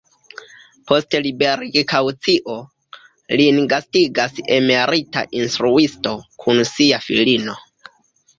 Post liberigkaŭcio, lin gastigas emerita instruisto kun sia filino.